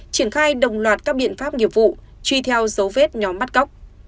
triển khai đồng loạt các biện pháp nghiệp vụ truy theo dấu vết nhóm bắt cóc